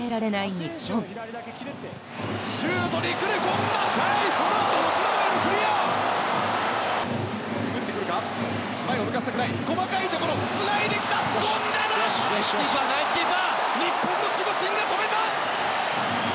日本の守護神が止めた！